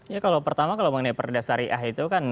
ya kalau pertama kalau mengenai perda syariah itu kan